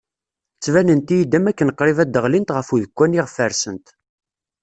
Ttbanent-iyi-d am wakken qrib ad d-ɣlint ɣef udekkan iɣef rsent.